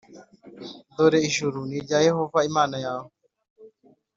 Dore ijuru ni irya Yehova Imana yawe,